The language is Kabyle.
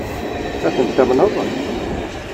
Ad ten-tamneḍ?